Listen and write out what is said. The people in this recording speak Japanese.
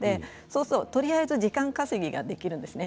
とりあえず時間稼ぎができるんですね。